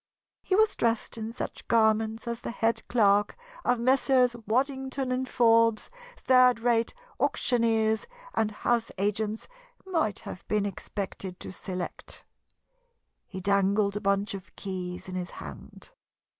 He was dressed in such garments as the head clerk of Messrs. Waddington & Forbes, third rate auctioneers and house agents, might have been expected to select. He dangled a bunch of keys in his hand.